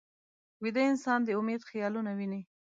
ویده انسان د امید خیالونه ویني